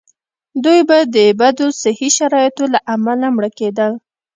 دوی به د بدو صحي شرایطو له امله مړه کېدل.